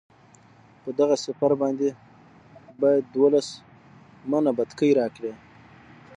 په دغه سپر باندې باید دولس منه بتکۍ راکړي.